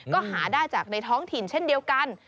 ก็หาได้จากในท้องถิ่นเช่นเดียวกัน